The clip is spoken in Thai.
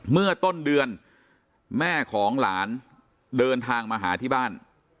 เมื่อต้นเดือนแม่ของหลานเดินทางมาหาที่บ้าน